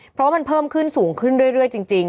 เพราะว่ามันเพิ่มขึ้นสูงขึ้นเรื่อยจริง